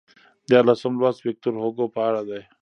دیارلسم لوست ویکتور هوګو په اړه دی.